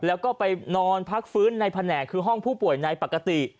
แล้วก็ไปนอนพักฟื้นในแผนกคือห้องผู้ป่วยในปกติ